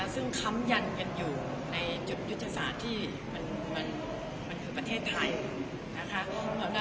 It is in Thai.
ซึ่งค้ำยันกันอยู่ในจุดยุทธศาสตร์ที่มันคือประเทศไทยนะคะ